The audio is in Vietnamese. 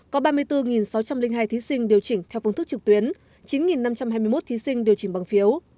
có ba mươi bốn sáu trăm linh hai thí sinh điều chỉnh theo phương thức trực tuyến chín năm trăm hai mươi một thí sinh điều chỉnh bằng phiếu